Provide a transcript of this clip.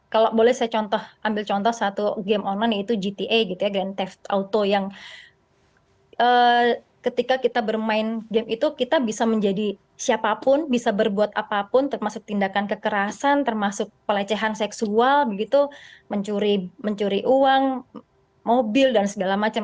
kalau boleh saya ambil contoh satu game online yaitu gta gitu ya grantef auto yang ketika kita bermain game itu kita bisa menjadi siapapun bisa berbuat apapun termasuk tindakan kekerasan termasuk pelecehan seksual begitu mencuri uang mobil dan segala macam